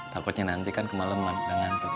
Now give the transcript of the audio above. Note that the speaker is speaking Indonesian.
takutnya nanti kan kemalem mak udah ngantuk